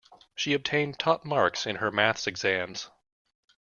She obtained top marks in her maths exams.